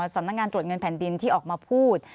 สำนักงานตรวจเงินแผ่นดินที่ออกมาพูด